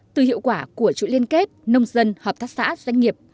từ hiệu quả của chuỗi liên kết nông dân hợp tác xã doanh nghiệp